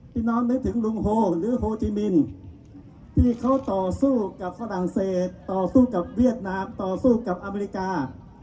น้องนึกถึงลุงโฮหรือโฮจิมินที่เขาต่อสู้กับฝรั่งเศสต่อสู้กับเวียดนามต่อสู้กับอเมริกา